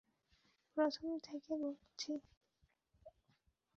প্রথম থেকে বলছি।